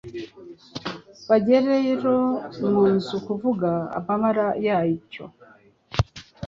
Bajyrero mu nzu kuvuga amabara yacyo.